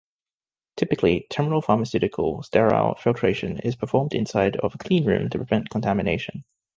Typically, terminal pharmaceutical sterile filtration is performed inside of a cleanroom to prevent contamination.